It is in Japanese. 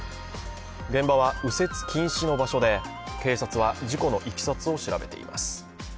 現場は右折禁止の場所で、警察は事故のいきさつを調べています。